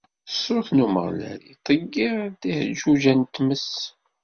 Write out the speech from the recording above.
Ṣṣut n Umeɣlal iṭṭeyyir-d iḥeǧǧuǧa n tmes.